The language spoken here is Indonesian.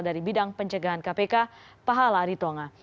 dari bidang pencegahan kpk pahala ritonga